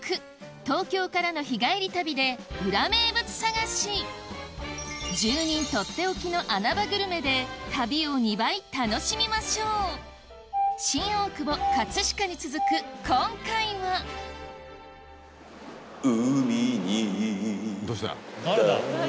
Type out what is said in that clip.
東京からの日帰り旅で裏名物探し住人とっておきの穴場グルメで旅を２倍楽しみましょう新大久保葛飾に続く今回はどうした？誰だ？